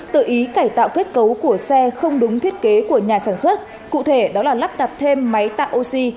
tự ý cải tạo kết cấu của xe không đúng thiết kế của nhà sản xuất cụ thể đó là lắp đặt thêm máy tạo oxy